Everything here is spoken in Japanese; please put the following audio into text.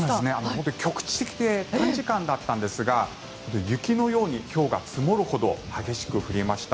本当に局地的で短時間だったんですが雪のように、ひょうが積もるほど激しく降りました。